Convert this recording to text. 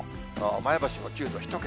前橋も９度、１桁。